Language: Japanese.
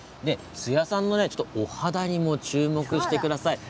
数矢さんのお肌にも注目してください。